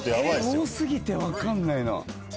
多過ぎて分かんないな。